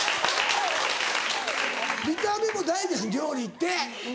見た目も大事やん料理って！